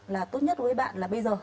là tốt nhất với bạn là bây giờ